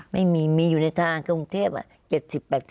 ไม่มีมีอยู่ในธนาคกรุงเทพอ่ะ